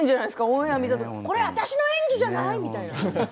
オンエア見たとき、これ私の演技じゃない？みたいな。